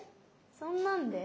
そんなんで？